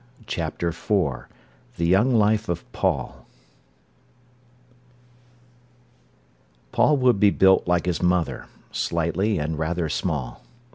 CHAPTER IV THE YOUNG LIFE OF PAUL Paul would be built like his mother, slightly and rather small.